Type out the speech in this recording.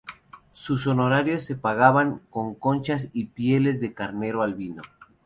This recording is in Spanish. Sus honorarios se pagaban con conchas y pieles de carnero albino.